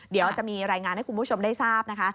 เดี๋ยวจะมีรายงานให้คุณผู้ชมได้ทราบนะคะ